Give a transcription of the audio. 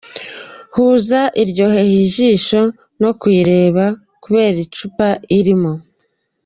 Huza iryoheye ijisho no kuyireba kubera icupa irimo.